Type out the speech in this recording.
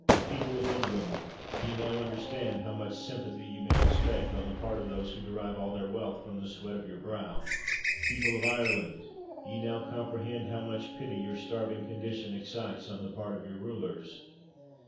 People of England! ye now understand how much sympathy ye may expect on the part of those who derive all their wealth from the sweat of your brow! People of Ireland! ye now comprehend how much pity your starving condition excites on the part of your rulers!